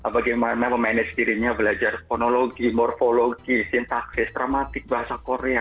bagaimana memanage dirinya belajar kronologi morfologi sintaksis tramatik bahasa korea